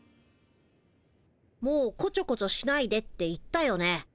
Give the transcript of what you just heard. もうこちょこちょしないでって言ったよね？